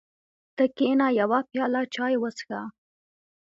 ته کېنه یوه پیاله چای وڅښه.